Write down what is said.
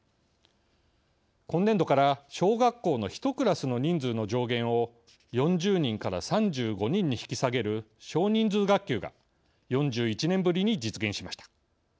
今年度から小学校の１クラスの人数の上限を４０人から３５人に引き下げる少人数学級が４１年ぶりに実現しました。